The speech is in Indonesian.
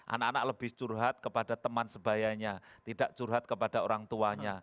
anak anak lebih curhat kepada teman sebayanya tidak curhat kepada orang tuanya